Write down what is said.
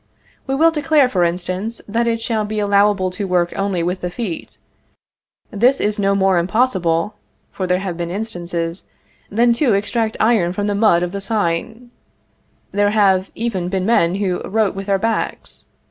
We will declare, for instance, that it shall be allowable to work only with the feet. This is no more impossible (for there have been instances) than to extract iron from the mud of the Seine. There have even been men who wrote with their backs.